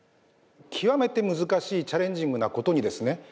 極めて難しいチャレンジングなことにですね